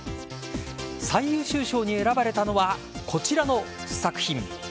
最優秀賞に選ばれたのはこちらの作品。